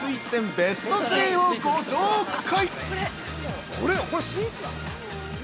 ベスト３をご紹介。